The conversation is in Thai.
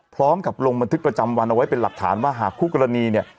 พร้อมกับลงบันทึกประจำวันเอาไว้เป็นหลักฐานว่าหากคู่กรณีเนี่ย